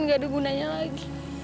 nggak ada gunanya lagi